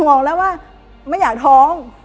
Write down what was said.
บอกแล้วว่าไม่อยากท้อง